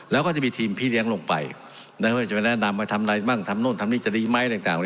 แล้วก็จะมีทีมพี่เลี้ยงลงไปน่าเว้ยจะแนะนำว่าทำอะไรบ้างทำนู้นทำนี่จะดีไหม